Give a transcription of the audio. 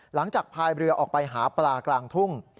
พายเรือออกไปหาปลากลางทุ่ง